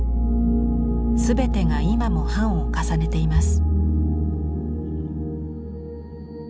全てが今も版を重ねています。